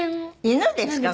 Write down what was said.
犬ですか？